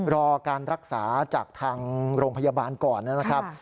รอการรักษาจากทางโรงพยาบาลก่อนนะครับ